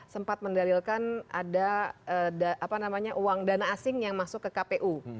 sempat mendalilkan ada uang dana asing yang masuk ke kpu